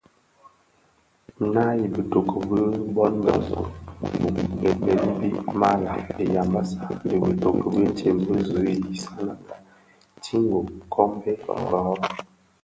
Naa i bitoki bi bon bë Zöň (Gounou, Belibi, malah) di yambassa dhi bitoki bitsem bi zi isananga: Tsingo, kombe, Ngorro,